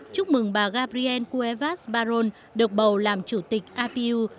chúc mừng bà gabrielle cuevas barón được bầu làm chủ tịch apu